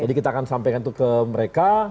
jadi kita akan sampaikan itu ke mereka